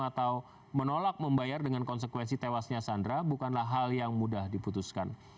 atau menolak membayar dengan konsekuensi tewasnya sandra bukanlah hal yang mudah diputuskan